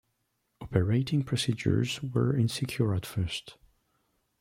Operating procedures were insecure at first.